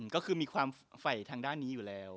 ก็คือมีความไฝ่ทางด้านนี้อยู่แล้ว